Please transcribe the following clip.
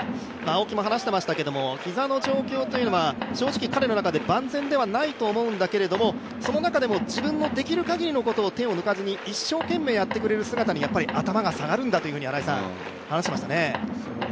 青木も話していましたけれども、膝の状況というのは正直、彼の中で万全ではないと思うんだけれども、その中でも自分のできる限りのことを手を抜かずに一生懸命やってくれる姿にやっぱり頭が下がるんだというふうに話していました。